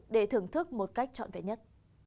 để thưởng thức một cách chọn vẻ nhất